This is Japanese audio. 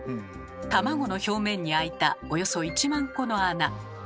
卵の表面に開いたおよそ１万個の穴。